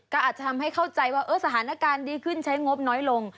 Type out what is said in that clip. ก็อาจจะทำให้เข้าใจว่าสถานการณ์ดีขึ้นใช้งบน้อยลง